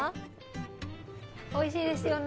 おいしいですよね